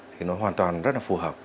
thì nó hoàn toàn rất là phù hợp